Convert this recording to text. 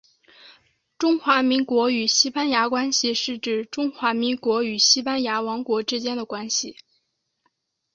中华民国与西班牙关系是指中华民国与西班牙王国之间的关系。